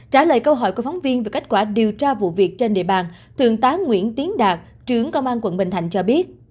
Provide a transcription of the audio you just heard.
trả lời câu hỏi của phóng viên về kết quả điều tra vụ việc trên địa bàn thượng tá nguyễn tiến đạt trưởng công an quận bình thạnh cho biết